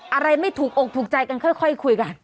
อะไรไม่ถูกอกถูกใจกันค่อยคุยกัน